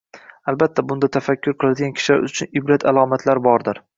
Albatta, bunda tafakkur qiladigan kishilar uchun ibrat-alomatlar bordir”